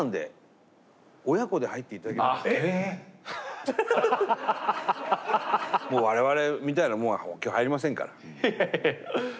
ええ⁉我々みたいな者は今日入りませんから。